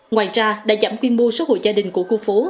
ngoài ra đã giảm quy mô số hộ gia đình của khu phố